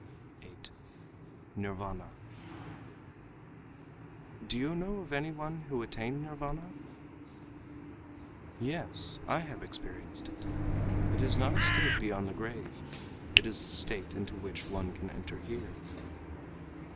8. Nirvâna "Do you know of any one who attained Nirvâna?" "Yes, I have experienced it. It is not a state beyond the grave. It is a state into which one can enter here."